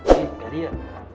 lihat gak dia